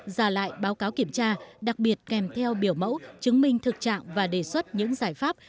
giả lại báo cáo kiểm tra đặc biệt kèm theo biểu mẫu chứng minh thực trạng và đề xuất những giải pháp